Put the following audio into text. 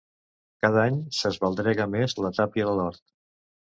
Cada any s'esbaldrega més la tàpia de l'hort.